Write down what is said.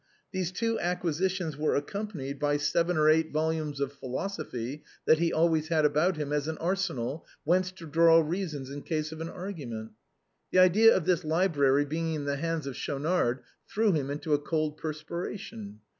These two acquisi tions were accompanied by seven or eight volumes of philosophy that he had always about him as an arsensal whence to draw reasons in case of an argument. The idea of this library being in the hands of Schaunard threw him into a cold perspiration.